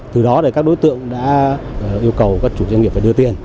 từ đó các đối tượng đã yêu cầu các chủ doanh nghiệp phải đưa tiền